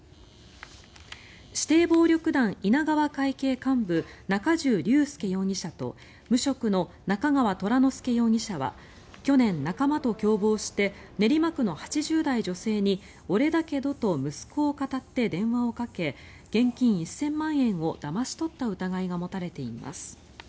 指定暴力団稲川会系幹部中重玲介容疑者と無職の中川虎乃輔容疑者は去年、仲間と共謀して練馬区の８０代女性に俺だけどと息子をかたって電話をかけ現金１０００万円をだまし取った疑いが持たれています。